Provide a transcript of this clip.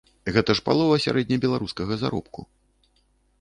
Гэта ж палова сярэднебеларускага заробку.